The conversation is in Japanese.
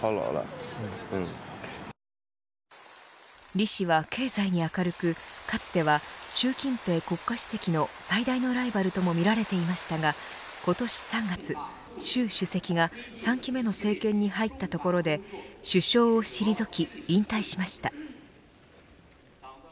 李氏は経済に明るくかつては、習近平国家主席の最大のライバルともみられていましたが今年３月、習主席が３期目の政権に入ったところで首相を退き、引退しました。